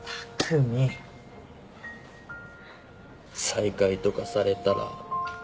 再会とかされたら。